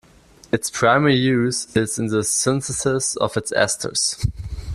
Its primary use is in the synthesis of its esters.